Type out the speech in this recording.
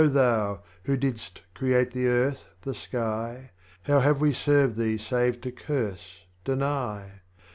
55. Thou Who didst create the Earth, the Sky, How have we served Thee save to curse, deny